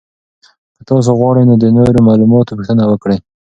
که تاسو غواړئ نو د نورو معلوماتو پوښتنه وکړئ.